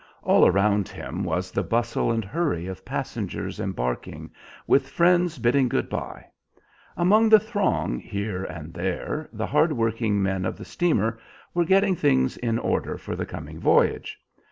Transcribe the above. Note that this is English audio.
All around him was the bustle and hurry of passengers embarking, with friends bidding good bye. Among the throng, here and there, the hardworking men of the steamer were getting things in order for the coming voyage.